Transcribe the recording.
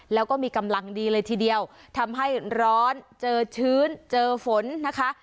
แล้วก็มีกำลังดีเลยทีเดียวทำให้ร้อนเจอชื้นเจอฝนนะคะ